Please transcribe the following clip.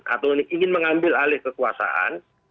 atau ingin mengambil alih kekuasaan